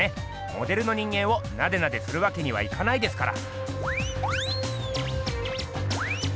モデルの人間をナデナデするわけにはいかないですから。